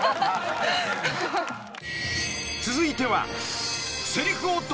［続いては］